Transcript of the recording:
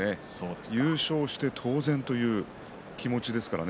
優勝して当然という気持ちですからね